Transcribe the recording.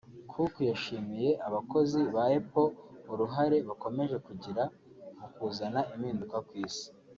Cook washimiye abakozi ba Apple uruhare bakomeje kugira mu kuzana impinduka ku isi